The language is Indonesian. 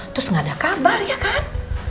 terus nggak ada kabar ya kan